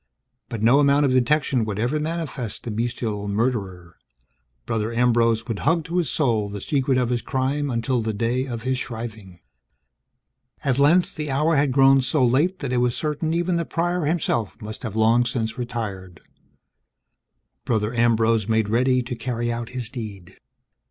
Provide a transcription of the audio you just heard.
But no amount of detection would ever manifest the bestial murderer. Brother Ambrose would hug to his soul the secret of his crime until the day of his shriving. At length, the hour had grown so late that it was certain even the Prior himself must have long since retired. Brother Ambrose made ready to carry out his deed.